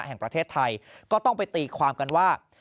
แห่งประเทศไทยก็ต้องไปตีความกันว่า